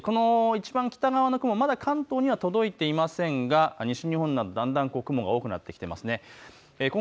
いちばん北側の雲、まだ関東に届いていませんが西日本はだんだん雲が多くなってきています。